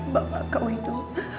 bapak kau itu